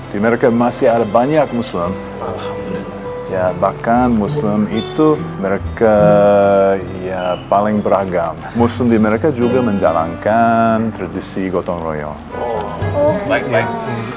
di mereka masih ada banyak muslim bahkan muslim itu mereka ya paling beragam muslim di mereka juga menjalankan tradisi gotong royong